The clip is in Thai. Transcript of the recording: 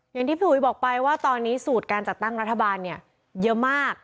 อย่างที่พี่อุ๋ยบอกไปว่าตอนนี้สูตรการจัดตั้งรัฐบาลเนี่ยเยอะมาก